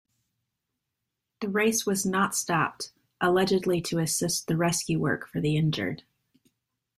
The race was not stopped, allegedly to assist the rescue work for the injured.